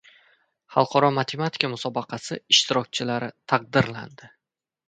Xalqaro matematika musobaqasi ishtirokchilari taqdirlandi